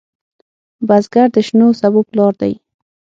بزګر د شنو سبو پلار دی